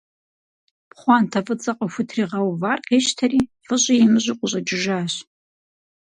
Пхъуантэ фӀыцӀэ къыхутригъэувар къищтэри, фӀыщӀи имыщӀу къыщӀэкӀыжащ.